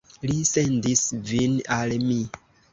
Li sendis vin al mi?